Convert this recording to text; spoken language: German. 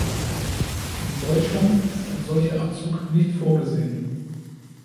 In Deutschland ist ein solcher Abzug nicht vorgesehen.